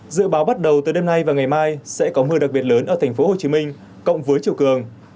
dự báo bắt đầu từ đêm nay và ngày mai sẽ có mưa đặc biệt lớn ở thành phố hồ chí minh cộng với chiều cường